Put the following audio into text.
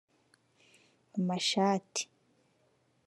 amashati